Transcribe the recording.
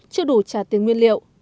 chưa đủ trả tiền nguyên liệu